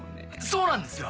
そうなんですよ！